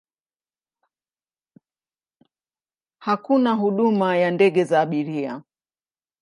Hakuna huduma ya ndege za abiria.